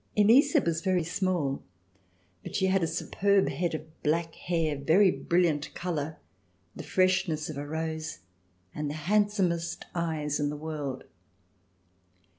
Elisa was very small, but she had a superb head of black hair, very brilliant color, the freshness of a rose and the handsomest eyes in the world.